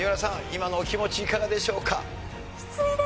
今のお気持ちいかがでしょうか？